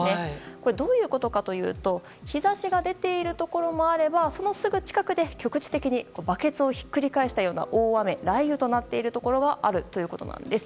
これ、どういうことかというと日差しが出ているところもあればそのすぐ近くで局地的にバケツをひっくり返したような大雨雷雨となっているところもあるということなんです。